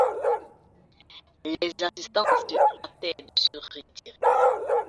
Les assistants se hâtèrent de se retirer.